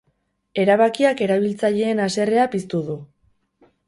Erabakiak erabiltzaileen haserrea piztu du.